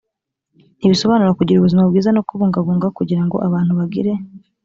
ntibisobanura kugira ubuzima bwiza no kububungabunga kugira ngo abantu bagire